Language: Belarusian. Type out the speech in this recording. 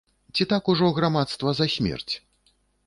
Ці так ужо грамадства за смерць?